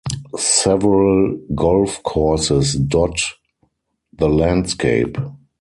Several golf courses dot the landscape.